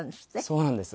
そうなんです。